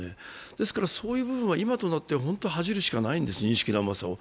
ですから、そういう部分は今となっては恥じるしかないんです、認識の甘さを。